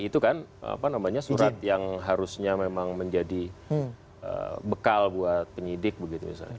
itu kan apa namanya surat yang harusnya memang menjadi bekal buat penyidik begitu misalnya